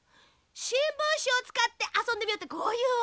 しんぶんしをつかってあそんでみようってこういうわけ。